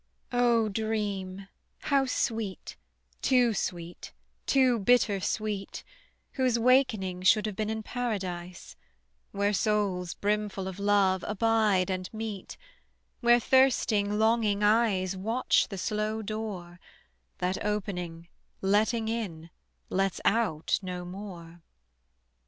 O dream how sweet, too sweet, too bitter sweet, Whose wakening should have been in Paradise, Where souls brimful of love abide and meet; Where thirsting longing eyes Watch the slow door That opening, letting in, lets out no more.